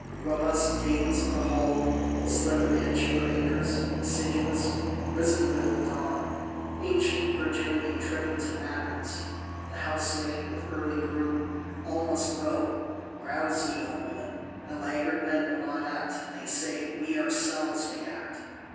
Robust Dames of the Halle, slim Mantua makers, assiduous, risen with the dawn; ancient Virginity tripping to matins; the Housemaid, with early broom; all must go. Rouse ye, O women; the laggard men will not act; they say, we ourselves may act!